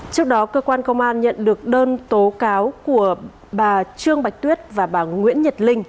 trước đó cơ quan công an nhận được đơn tố cáo của bà trương bạch tuyết và bà nguyễn nhật linh